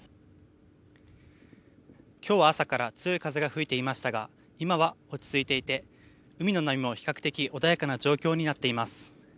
今日は朝から強い風が吹いていましたが今は落ち着いていて海の波も比較的穏やかな状況になっています。